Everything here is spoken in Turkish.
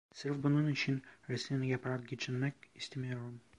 Sırf bunun için resim yaparak geçinmek istemiyorum.